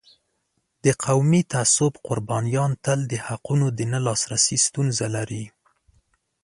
د قومي تعصب قربانیان تل د حقونو د نه لاسرسی ستونزه لري.